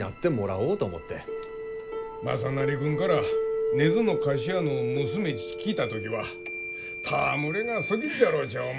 雅修君から根津の菓子屋の娘ち聞いた時は戯れがすぎっじゃろうち思ったが。